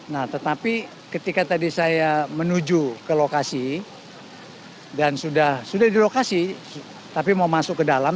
nah tetapi ketika tadi saya menuju ke lokasi dan sudah di lokasi tapi mau masuk ke dalam